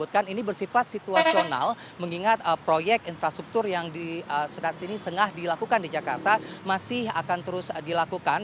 ini bersifat situasional mengingat proyek infrastruktur yang tengah dilakukan di jakarta masih akan terus dilakukan